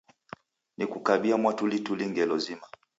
Nikukabia mwatulituli ngelo zima